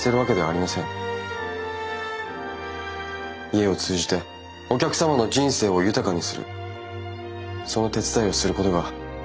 家を通じてお客様の人生を豊かにするその手伝いをすることが不動産屋の仕事ですから。